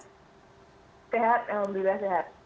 sehat alhamdulillah sehat